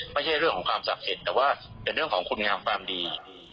ไม่ใช่เรื่องของความศักดิ์สิทธิ์แต่ว่าเป็นเรื่องของคุณงามความดี